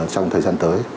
trong thời gian tới